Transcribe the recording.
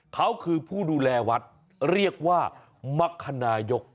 เขาคือผู้ดูแลวัดเรียกว่ามรรคนายก